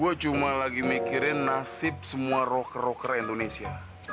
gue cuma lagi mikirin nasib semua rocker rocker indonesia